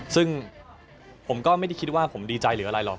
ซึ่งผมก็ไม่ได้คิดว่าผมดีใจหรืออะไรหรอก